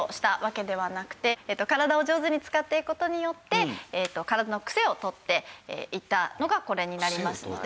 体を上手に使っていく事によって体のクセを取っていったのがこれになりますので。